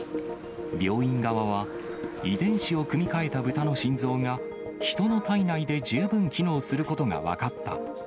病院側は、遺伝子を組み換えたブタの心臓が、ヒトの体内で十分機能することが分かった。